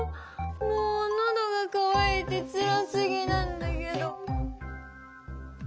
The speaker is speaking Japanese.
もうのどがかわいてつらすぎなんだけど。